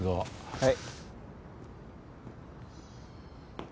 はい。